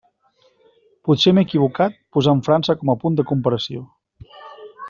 Potser m'he equivocat posant França com a punt de comparació.